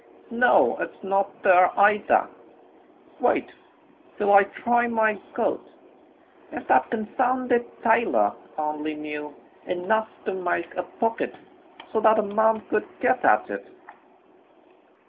No, it's not there either. Wait till I try my coat. If that confounded tailor only knew enough to make a pocket so that a man could get at it!"